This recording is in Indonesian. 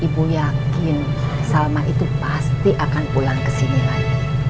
ibu yakin salman itu pasti akan pulang ke sini lagi